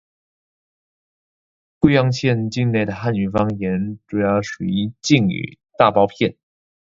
固阳县境内的汉语方言主要属于晋语大包片。